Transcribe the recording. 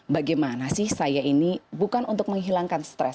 bagaimana sih saya ini bukan untuk menghilangkan stres